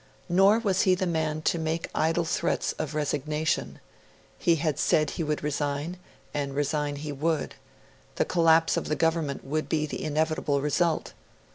Nor was he the man to make idle threats of resignation; he had said he would resign, and resign he would: the collapse of the Government would be the inevitable result.